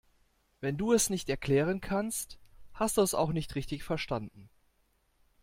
Wenn du es nicht erklären kannst, hast du es auch nicht richtig verstanden.